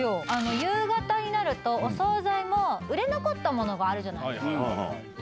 夕方になるとお総菜も売れ残ったものがあるじゃないですか。